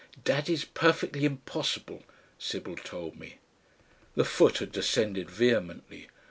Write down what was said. "Daddy's perfectly impossible," Sybil told me. The foot had descended vehemently!